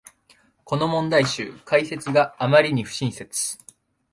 この問題集、解説があまりに不親切